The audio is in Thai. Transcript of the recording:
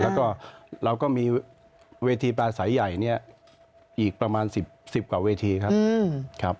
แล้วก็เราก็มีเวทีปลาสายใหญ่เนี่ยอีกประมาณ๑๐กว่าเวทีครับ